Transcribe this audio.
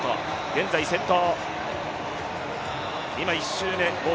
現在、先頭。